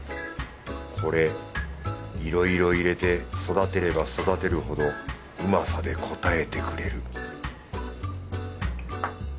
これいろいろ入れて育てれば育てるほどうまさで応えてくれる